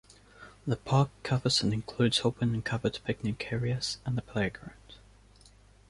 The park covers and includes open and covered picnic areas and a playground.